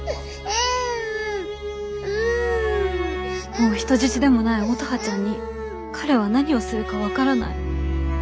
もう人質でもない乙葉ちゃんに彼は何をするか分からない。